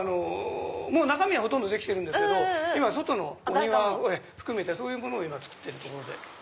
もう中身はほとんどできてるんですけど外のお庭を含めてそういうものを造ってるところで。